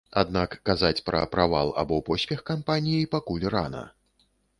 Аднак казаць пра правал або поспех кампаніі пакуль рана.